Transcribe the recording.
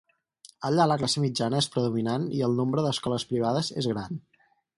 Allà la classe mitjana és predominant i el nombre d'escoles privades és gran.